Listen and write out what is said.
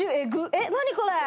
えっ何これ？